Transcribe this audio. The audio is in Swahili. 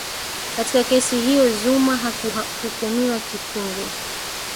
katika kesi hiyo zuma hakuhukumiwa kifungo